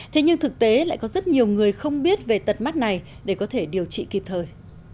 thế nhưng thực tế lại có rất nhiều người không biết về tật mắt này để có thể điều trị kịp thời